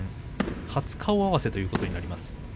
初顔合わせということになります。